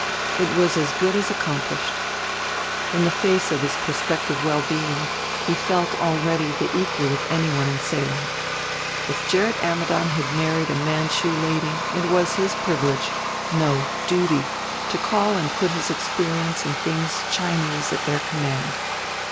It was as good as accomplished. In the face of his prospective well being he felt already the equal of anyone in Salem. If Gerrit Ammidon had married a Manchu lady it was his privilege, no, duty, to call and put his experience in things Chinese at their command.